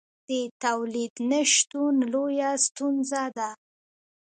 د تولید نشتون لویه ستونزه ده.